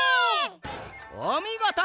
おみごと。